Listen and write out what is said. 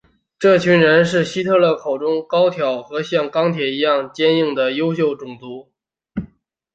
这群人就是希特勒口中高挑和像钢铁一样坚硬的优秀种族。